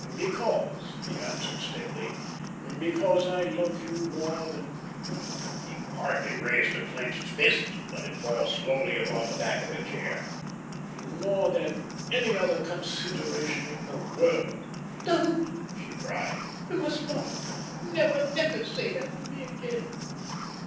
"Because," he answered, steadily, "because I love you more than" he partly raised a clenched fist and let it fall slowly upon the back of the chair, "more than any other consideration in the world." "Don't!" she cried. "You must not. Never, never say that to me again.